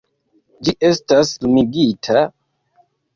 Ĝi estas lumigita...